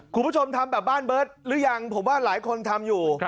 คุณผู้ชมทำแบบบ้านเบิร์ตหรือยังผมว่าหลายคนทำอยู่